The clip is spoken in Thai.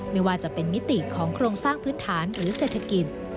ไม่ว่าจะเป็นมิติของโครงสร้างพื้นฐานหรือเศรษฐกิจ